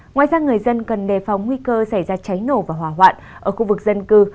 ngoài ra người dân cần đề phòng nguy cơ xảy ra cháy nổ và hỏa hoạn ở khu vực dân cư